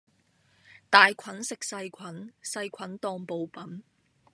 大菌食細菌，細菌當補品